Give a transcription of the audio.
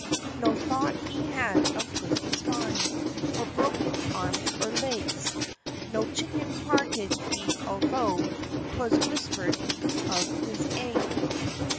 No thought he had of twisted spine, Or broken arms or legs; Not chicken hearted he, altho' T'was whispered of his egg!